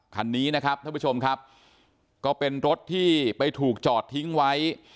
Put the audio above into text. คันนี้นะครับท่านผู้ชมครับก็เป็นรถที่ไปถูกจอดทิ้งไว้